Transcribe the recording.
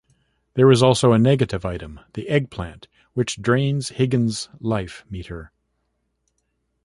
There is also a negative item, the eggplant, which drains Higgins' life meter.